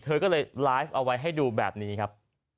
เธอก็เลยไลฟ์เอาไว้ให้ดูแบบนี้ครับ